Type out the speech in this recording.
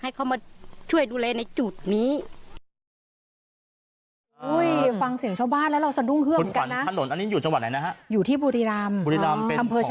ให้เขามาช่วยดูแลในจุดนี้ฟังเสียงชาวบ้านแล้ว